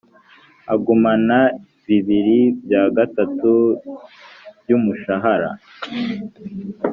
agumana bibiri bya gatatu by umushahara